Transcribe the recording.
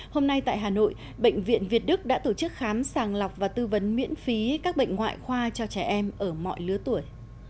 hôm nay tại hà nội bệnh viện việt đức đã tổ chức khám sàng lọc và tư vấn miễn phí các bệnh ngoại khoa cho trẻ em ở mọi lứa tuổi